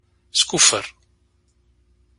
Skuffer.